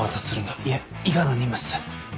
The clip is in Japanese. いえ伊賀の任務っす。